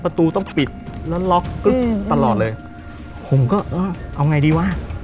ตูต้องปิดแล้วล็อกกึ๊กตลอดเลยผมก็เออเอาไงดีวะ